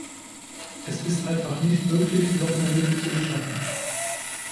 Es ist einfach nicht möglich, noch mehr Mittel zu beschaffen.